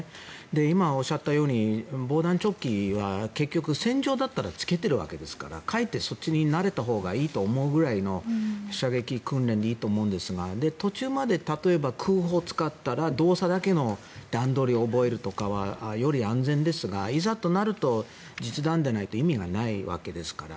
今、おっしゃったように防弾チョッキは結局戦場だったら着けているわけですからかえってそっちに慣れたほうがいいくらいの射撃訓練でいいと思うんですが途中まで例えば空砲を使ったら動作だけの段取りを覚えるとかより安全ですがいざとなると実弾でないと意味がないわけですから。